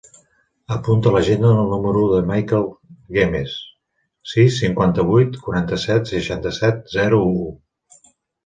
Apunta a l'agenda el número del Mikel Guemes: sis, cinquanta-vuit, quaranta-set, seixanta-set, zero, u.